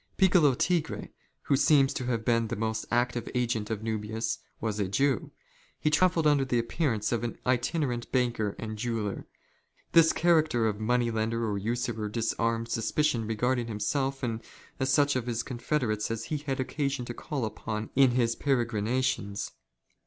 Piccolo Tigre, who seems to have been the most active agent of JSfuhius, was a Jew. He travelled under the appearance of aif itinerant banker and jeweller. This character of money lender . or usurer disarmed suspicion regarding himself and such ot his confederates as he had occasion to call upon in his peregrina tions.